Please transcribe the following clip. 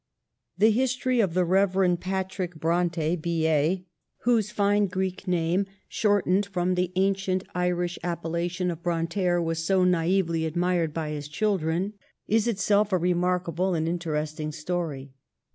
The history of the Rev. Patrick Bronte, B.A. PARENTAGE. 1 3 (whose fine Greek name, shortened from the ancient Irish appellation of Bronterre, was so na'fvely admired by his children), is itself a re markable and interesting story.